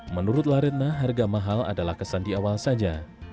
menurut laretna harga mahal adalah kesan di awal saja